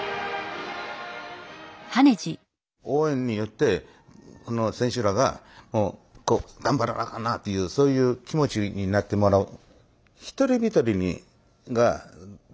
応援によってこの選手らがもう頑張らなあかんなというそういう気持ちになってもらう。